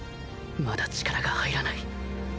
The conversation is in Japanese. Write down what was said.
まだ力が入らない